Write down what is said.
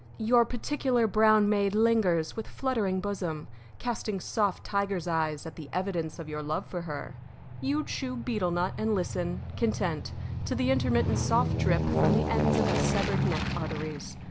Your particular brown maid lingers, with fluttering bosom, casting soft tiger's eyes at the evidence of your love for her. You chew betel nut and listen, content, to the intermittent soft drip from the ends of the severed neck arteries.